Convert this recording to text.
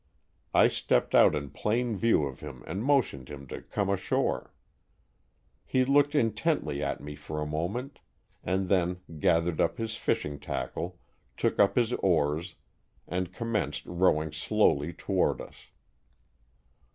I stepped out in plain view of him and motioned him to come ashore. He looked intently at me for a moment and then gathered up his fishing tackle, took up his oars and commenced rowing slowly toward us.